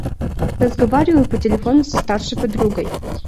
Разговариваю по телефону со старшей подругой.